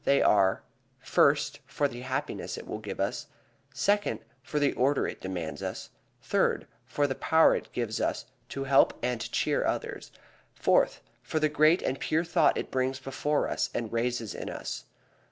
They are: First, for the happiness it will give us. Second, for the order it demands of us. Third, for the power it gives us to help and cheer others. Fourth, for the great and pure thought it brings before us and raises in us.